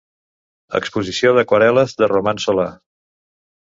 Exposició d'aquarel·les de Roman Solà.